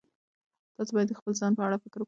تاسو باید د خپل ځان په اړه فکر وکړئ.